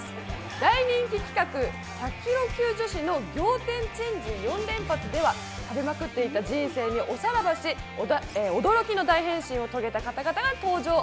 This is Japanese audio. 大人気企画・１００ｋｇ級女子の仰天チェンジ４連発では食べまくっていた人生におさらばし、驚きの大変身を遂げた方々が登場。